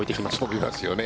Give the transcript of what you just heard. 飛びますよね